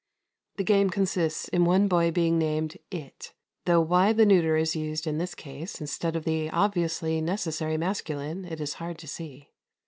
The game consists in one boy being named "it" (though why the neuter is used in this case instead of the obviously necessary masculine it is hard to see).